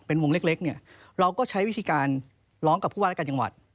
เป็นวงเล็กเนี่ยเราก็ใช้วิธีการร้องกับผู้ว่ารายการจังหวัด